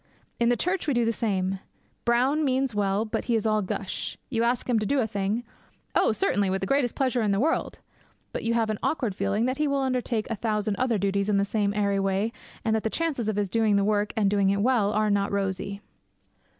In the church we do the same. Brown means well, but he is all gush. You ask him to do a thing. 'Oh, certainly, with the greatest pleasure in the world!' But you have an awkward feeling that he will undertake a thousand other duties in the same airy way, and that the chances of his doing the work, and doing it well, are not rosy.